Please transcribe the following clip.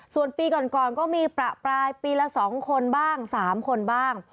ส่วนปีก่อนก็มีประปรายปีละ๒คนบ้าง๓คนบ้าง